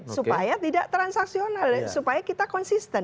supaya tidak transaksional supaya kita konsisten